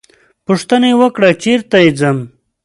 پوښتنه یې وکړه چېرته ځم.